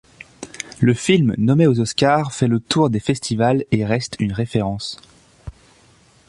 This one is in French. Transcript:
Le film, nommé aux Oscars, fait le tour des festivals et reste une référence.